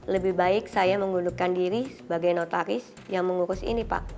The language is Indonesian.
lebih baik saya mengundurkan diri sebagai notaris yang mengurus ini pak